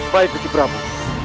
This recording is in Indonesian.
baik gusti prabu